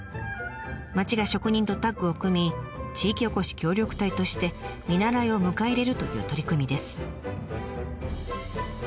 町が職人とタッグを組み地域おこし協力隊として見習いを迎え入れるという取り組みです。